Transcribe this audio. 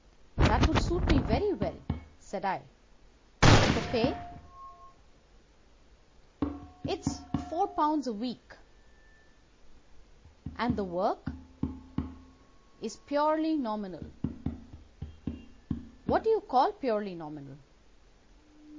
"'That would suit me very well,' said I. 'And the pay?' "'Is £ 4 a week.' "'And the work?' "'Is purely nominal.' "'What do you call purely nominal?